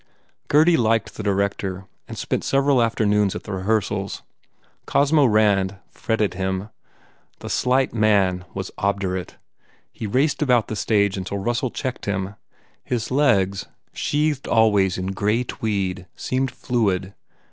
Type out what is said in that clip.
Gurdy liked the director and spent several afternoons at the rehearsals. Cosmo Rand fret ted him. The slight man was obdurate. He raced about the stage until Russell checked him. His legs, sheathed always in grey tweed, seemed fluid.